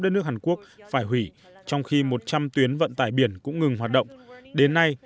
đất nước hàn quốc phải hủy trong khi một trăm linh tuyến vận tải biển cũng ngừng hoạt động đến nay